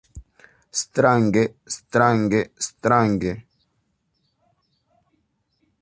Strange, strange, strange.